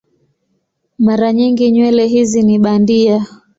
Mara nyingi nywele hizi ni bandia.